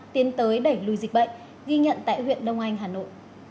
tiến tới đẩy lùi dịch bệnh ghi nhận tại huyện đông anh hà nội